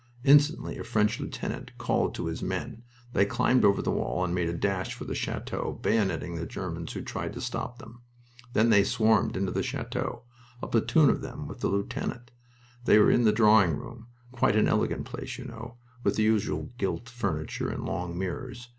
Instantly a French lieutenant called to his men. They climbed over the wall and made a dash for the chateau, bayoneting the Germans who tried to stop them. Then they swarmed into the chateau a platoon of them with the lieutenant. They were in the drawing room, quite an elegant place, you know, with the usual gilt furniture and long mirrors.